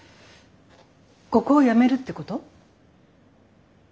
ここを辞めるってこと？